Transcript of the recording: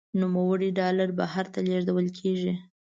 نوموړي ډالر بهر ته لیږدول کیږي.